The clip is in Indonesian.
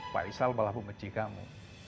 faizah malah membenci kamu